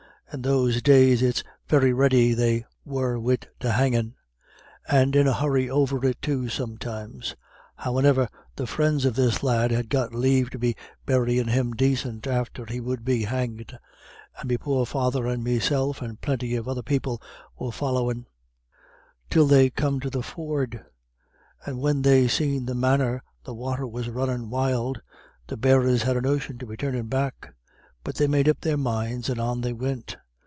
In those days it's very ready they were wid the hangin', and in a hurry over it too sometimes. Howane'er the frinds of this lad had got lave to be buryin' him dacint after he would be hanged; and me poor father, and meself, and plinty of other people were follyin'. Till they come to the ford, and when they seen the manner the wather was runnin' wild, the bearers had a notion to be turnin' back; but they made up their minds, and on they wint.